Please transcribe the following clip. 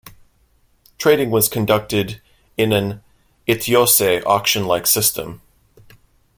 Trading was conducted in an "Itayose" auction-like system.